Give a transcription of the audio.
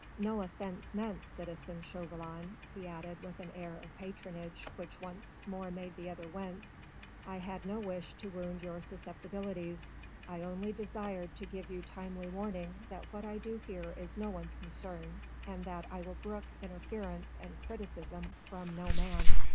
"No offence meant, citizen Chauvelin," he added with an air of patronage which once more made the other wince. "I had no wish to wound your susceptibilities. I only desired to give you timely warning that what I do here is no one's concern, and that I will brook interference and criticism from no man."